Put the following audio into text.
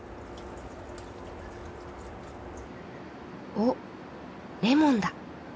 おっレモンだ。